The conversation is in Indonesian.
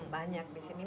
banyak di sini